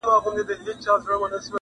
منظور پښتین ته:،